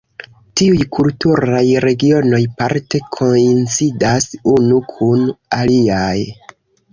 Tiuj kulturaj regionoj parte koincidas unu kun aliaj.